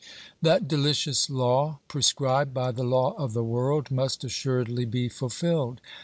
That delicious law, prescribed by the law of the world, must assuredly be fulfilled.